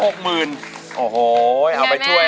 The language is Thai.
โอ้โหเอาไปช่วยเอาไปให้แม่